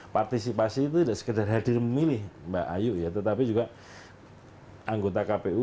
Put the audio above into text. partisipasi itu tidak sekedar hadir memilih mbak ayu ya tetapi juga anggota kpu